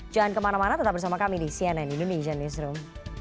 jangan kemana mana tetap bersama kami di cnn indonesian newsroom